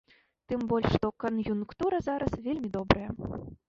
Тым больш, што кан'юнктура зараз вельмі добрая.